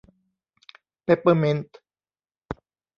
เปปเปอร์มินต์